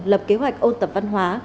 lập kế hoạch ôn tập văn hóa